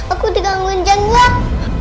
aku digangguin jenglot